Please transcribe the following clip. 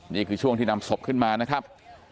นี่คือช่วงที่นำศพขึ้นมานะครับ